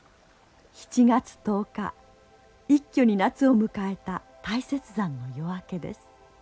７月１０日一挙に夏を迎えた大雪山の夜明けです。